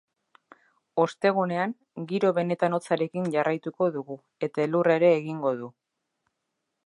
Ostegunean, giro benetan hotzarekin jarraituko dugu, eta elurra ere egingo du.